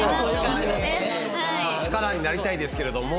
力になりたいですけれども。